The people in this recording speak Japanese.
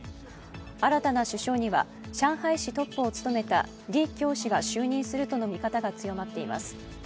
新たな首相には上海市トップを務めた李強氏が就任するとの見方が強まっています。